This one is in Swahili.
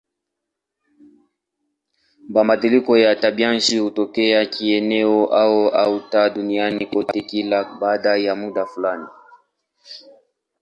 Mabadiliko ya tabianchi hutokea kieneo au hata duniani kote kila baada ya muda fulani.